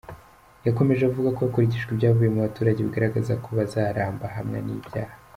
Yakomeje avuga ko hakurikijwe ibyavuye mu baturage bigaragaza ko Bazaramba ahamwa n’ibyaha.